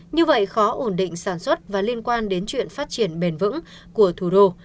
như vậy khó ổn định sản xuất và liên quan đến chuyện phát triển bền vững của thủ đô